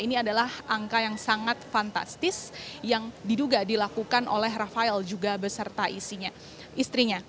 ini adalah angka yang sangat fantastis yang diduga dilakukan oleh rafael juga beserta istrinya